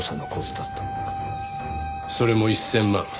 それも１０００万。